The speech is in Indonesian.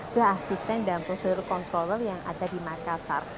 ke asisten dan prosedur kontroller yang ada di makassar